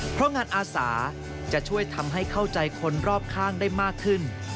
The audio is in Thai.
เพราะงานอาสาจะช่วยทำให้เข้าใจคนรอบข้างได้มากขึ้น